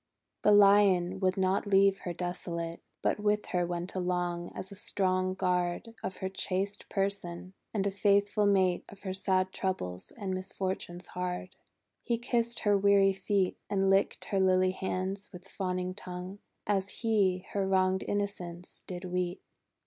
The Lion would not leave her desolate, But with her went along, as a strong guard Of her chaste person, and a faithful mate Qf her sad troubles and misfortunes hard. He kissed her weary feet, And licked her lily hands with fawning tongue. As he her wronged innocence did weet.